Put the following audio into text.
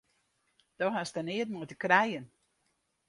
Do hast der neat mei te krijen!